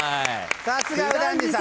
さすが右團次さん。